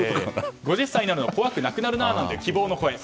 ５０歳になるのが怖くなくなるなと希望の声。